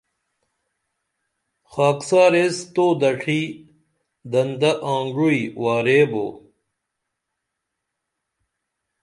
خاکسار ایس تو دڇھی دنتہ آنگوعی واریبو